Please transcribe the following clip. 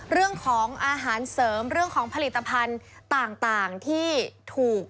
เรื่องของอาหารเสริมเรื่องของผลิตภัณฑ์ต่างที่ถูก